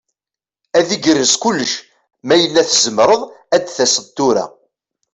Ad igerrez kullec ma yella tzemreḍ ad d-taseḍ tura.